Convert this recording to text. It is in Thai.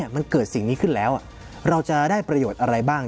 มันเกิดสิ่งนี้ขึ้นแล้วเราจะได้ประโยชน์อะไรบ้าง